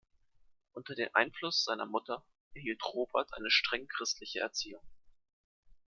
Unter dem Einfluss seiner Mutter erhielt Robert eine streng christliche Erziehung.